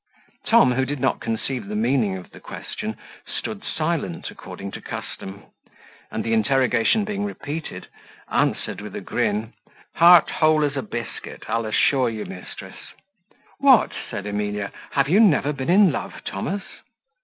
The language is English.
Tom, who did not conceive the meaning of the question, stood silent according to custom; and the interrogation being repeated, answered, with a grin, "Heart whole as a biscuit, I'll assure you, mistress." "What!" said Emilia, "have you never been in love, Thomas?"